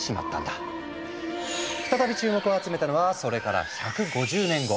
再び注目を集めたのはそれから１５０年後。